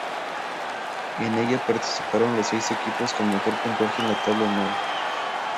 En ella participaron los seis equipos con mejor puntaje en la Tabla Anual.